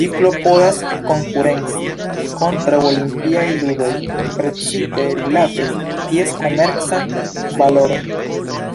Ĝi klopodas konkurenci kontraŭ Olimpiaj Ludoj, precipe rilate ties komercan valoron.